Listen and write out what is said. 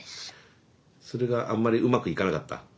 それがあんまりうまくいかなかった？